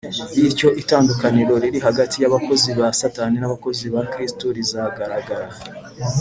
bityo itandukaniro riri hagati y’abakozi ba satani n’abakozi ba kristo rizagaragara